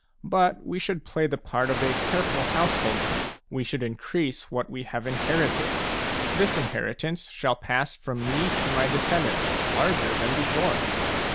But we should play the part of a careful householder; we should increase what we have inherited. This inheritance shall pass from me to my descendants larger than before.